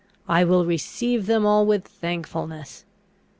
I will receive them all with thankfulness.